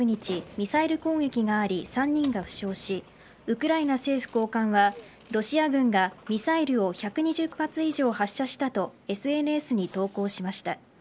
ミサイル攻撃があり３人が負傷しウクライナ政府高官はロシア軍がミサイルを１２０発以上発射したとＳＮＳに投稿しました。